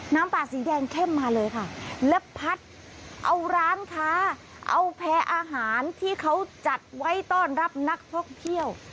น้ำป่าสีแดงเข้มมาเลยค่ะและพัดเอาร้านค้าเอาแพร่อาหารที่เขาจัดไว้ต้อนรับนักท่องเที่ยว